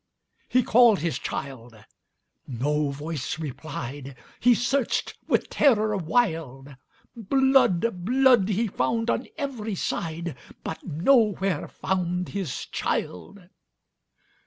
He called his child,—no voice replied,—He searched with terror wild; Blood, blood, he found on every side, But nowhere found his child.